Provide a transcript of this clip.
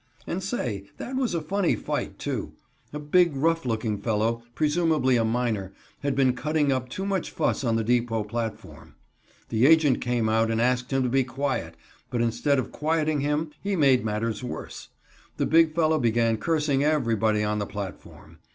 And, say, that was a funny fight, too. A big, rough looking fellow, presumably a miner, had been cutting up too much fuss on the depot platform. The agent came out and asked him to be quiet, but instead of quieting him, he made matters worse. The big fellow began cursing everybody on the platform.